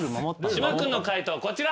島君の解答こちら。